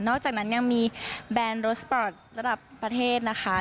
อกจากนั้นยังมีแบรนด์รถสปอร์ตระดับประเทศนะคะ